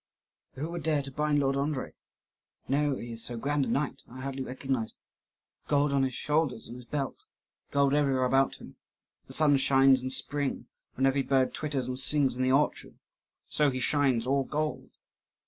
"Who would dare to bind Lord Andrii? now he is so grand a knight. I hardly recognised him. Gold on his shoulders and his belt, gold everywhere about him; as the sun shines in spring, when every bird twitters and sings in the orchard, so he shines, all gold.